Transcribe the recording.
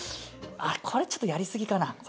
あっこれちょっとやり過ぎかな。